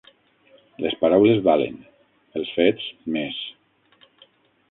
Les paraules valen; els fets més.